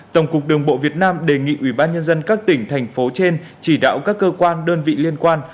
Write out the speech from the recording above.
tổng cục đường bộ việt nam đề nghị ủy ban nhân dân các tỉnh thành phố trên chỉ đạo các cơ quan đơn vị liên quan